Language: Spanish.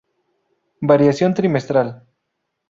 Variación trimestral.